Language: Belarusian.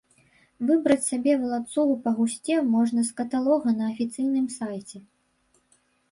Выбраць сабе валацугу па гусце можна з каталога на афіцыйным сайце.